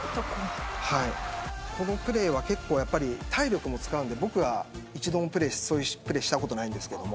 このプレーは体力も使うので僕は一度もそういうプレーしたことないんですけど。